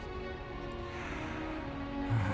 うん。